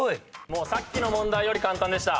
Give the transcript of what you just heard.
もうさっきの問題より簡単でした。